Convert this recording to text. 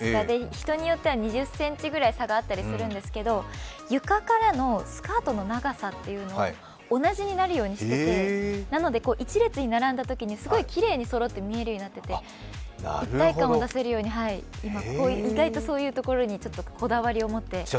人によっては２０ｃｍくらい差があったりするんですけど床からのスカートの長さが同じになるようにしててなので一列に並んだときにすごいきれいに見えるようにできていて一体感を出せるように、今、意外とそういうところにこだわりを持っています。